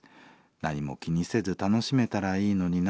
何も気にせず楽しめたらいいのにな。